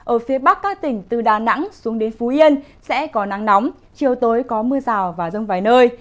ở phía bắc các tỉnh từ đà nẵng xuống đến phú yên sẽ có nắng nóng chiều tối có mưa rào và rông vài nơi